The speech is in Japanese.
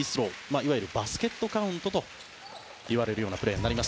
いわゆるバスケットカウントといわれるプレーになります。